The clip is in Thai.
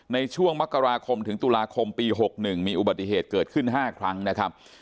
ในช่วงมกราคมถึงตุลาคมปี๖๑มีอุบัติเหตุเกิดขึ้น๕ครั้งนะครับ